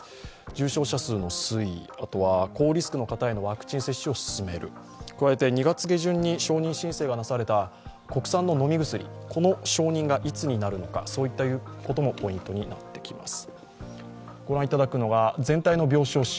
重症者数の推移、高リスクの方へのワクチン接種を進める加えて２月下旬に承認申請がなされた国産の飲み薬の承認がいつになるのか、そういったこともポイントになります。